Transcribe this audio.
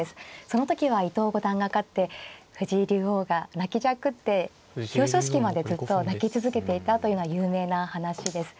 その時は伊藤五段が勝って藤井竜王が泣きじゃくって表彰式までずっと泣き続けていたというのは有名な話です。